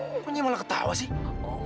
kok nyi malah ketawa sih